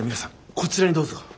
こちらにどうぞ。